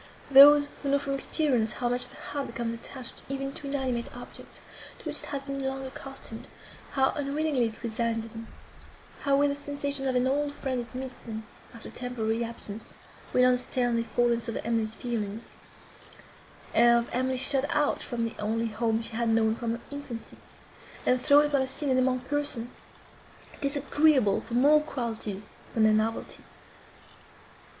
Those, who know, from experience, how much the heart becomes attached even to inanimate objects, to which it has been long accustomed, how unwillingly it resigns them; how with the sensations of an old friend it meets them, after temporary absence, will understand the forlornness of Emily's feelings, of Emily shut out from the only home she had known from her infancy, and thrown upon a scene, and among persons, disagreeable for more qualities than their novelty.